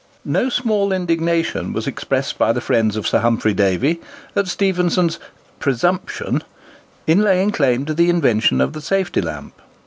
No small indignation was expressed by the friends of Sir Humphry Davy at Stephenson's "presumption" in laying claim to the invention of the safety lamp.